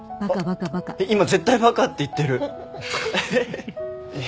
今絶対バカって言ってる！